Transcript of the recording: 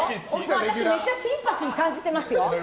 私、めっちゃシンパシー感じてますよ。